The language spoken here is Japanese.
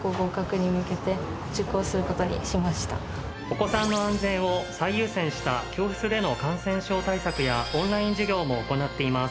お子さんの安全を最優先した教室での感染症対策やオンライン授業も行っています。